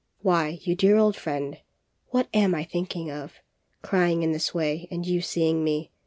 'Why, you dear old friend! What am I thinking of? Crying in this way, and you seeing me!